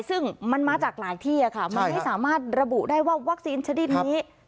ซึ่งมันมาจากหลายที่ค่ะมันไม่สามารถระบุได้ว่าวัคซีนชนิดนี้